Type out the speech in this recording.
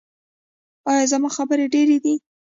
ایا زما خبرې ډیرې وې؟